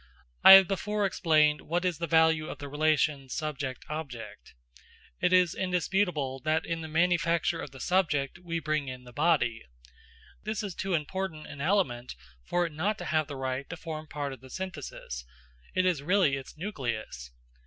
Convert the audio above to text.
I have before explained what is the value of the relation subject object. It is indisputable that in the manufacture of the subject we bring in the body. This is too important an element for it not to have the right to form part of the synthesis; it is really its nucleus.